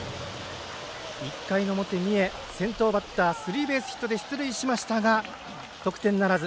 １回の表、三重、先頭バッタースリーベースヒットで出塁しましたが得点ならず。